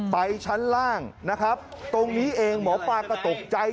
ชั้นล่างนะครับตรงนี้เองหมอปลาก็ตกใจ